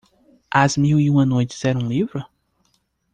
As mil e uma noites era um livro?